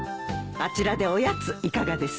あちらでおやついかがです？